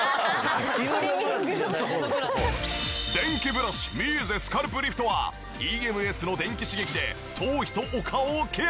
電気ブラシミーゼスカルプリフトはＥＭＳの電気刺激で頭皮とお顔をケア。